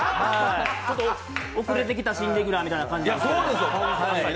ちょっと遅れてきた新レギュラーみたいな感じで。